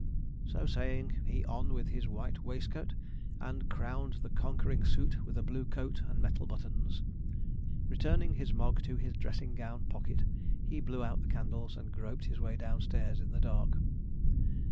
So saying, he on with his white waistcoat, and crowned the conquering suit with a blue coat and metal buttons. Returning his Mogg to his dressing gown pocket, he blew out the candles and groped his way downstairs in the dark.